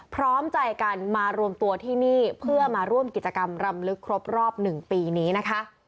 พร้อมใจกันมารวมตัวที่นี่เพื่อมาร่วมกิจกรรมรำลึกครบรอบ๑ปีนี้นะคะ